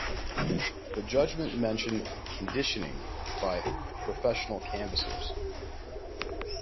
The judgement mentioned "conditioning" by "professional canvassers".